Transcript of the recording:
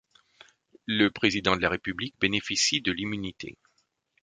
Le président de la République bénéficie de l'immunité.